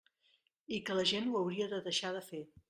I que la gent ho hauria de deixar de fer.